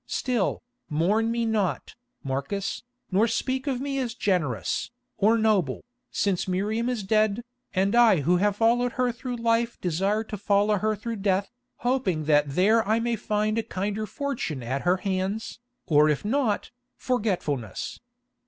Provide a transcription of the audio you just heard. Still, mourn me not, Marcus, nor speak of me as generous, or noble, since Miriam is dead, and I who have followed her through life desire to follow her through death, hoping that there I may find a kinder fortune at her hands, or if not, forgetfulness.